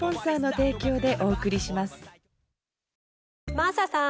真麻さん